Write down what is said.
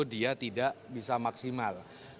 dia tidak bisa maksimal